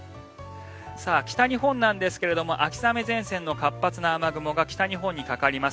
北日本なんですが秋雨前線の活発な雨雲が北日本にかかります。